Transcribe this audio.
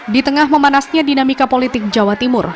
di tengah memanasnya dinamika politik jawa timur